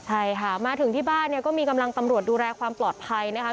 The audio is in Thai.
ใช่ค่ะมาถึงที่บ้านเนี่ยก็มีกำลังตำรวจดูแลความปลอดภัยนะคะ